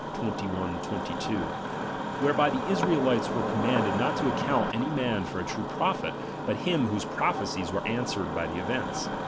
21, 22), whereby the IsraeUtes were com manded not to account any man for a true prophet, but him whose prophecies were answered by the events.